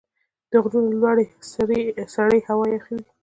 د غرونو لوړې سرې هوا یخ وي.